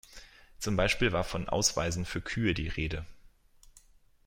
Zum Beispiel war von Ausweisen für Kühe die Rede.